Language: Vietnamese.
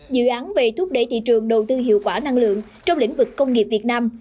dự án về thúc đẩy thị trường đầu tư hiệu quả năng lượng trong lĩnh vực công nghiệp việt nam